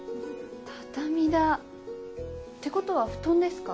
畳だ。ってことは布団ですか？